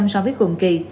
so với cùng kỳ